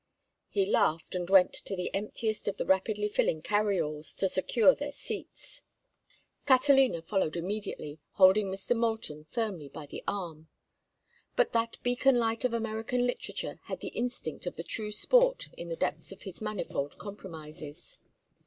He laughed and went to the emptiest of the rapidly filling carry alls to secure their seats. Catalina followed immediately, holding Mr. Moulton firmly by the arm. But that beacon light of American literature had the instinct of the true sport in the depths of his manifold compromises.